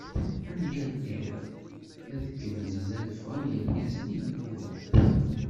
Am yal iḍ, ad kemmlen ad fɣen yergazen ineggura.